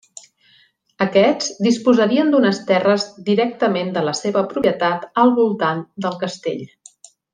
Aquests disposarien d'unes terres directament de la seva propietat al voltant del castell.